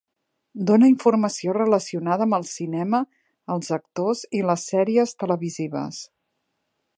Dóna informació relacionada amb el cinema, els actors i les sèries televisives.